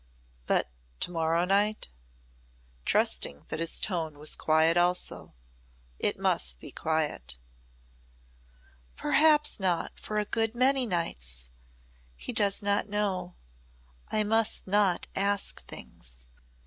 "But to morrow night?" trusting that his tone was quiet also. It must be quiet. "Perhaps not for a good many nights. He does not know. I must not ask things.